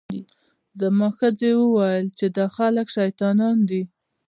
زما ښځې وویل چې دا خلک شیطانان دي.